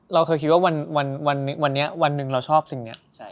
เราเคยคิดว่าวันนึงเราชอบสิ่งเนี่ย